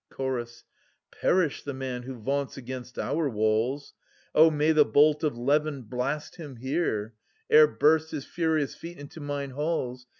Chorus. Perish the man who vaunts against our walls ! Oh, may the bolt of levin blast him here. Ere burst his furious feet into mine halls.